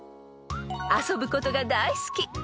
［遊ぶことが大好き！